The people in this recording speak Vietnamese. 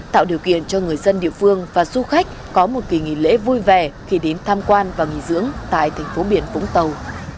tạo điều kiện cho người dân địa phương và du khách có một kỳ nghỉ lễ vui vẻ khi đến tham quan và nghỉ dưỡng tại thành phố biển vũng tàu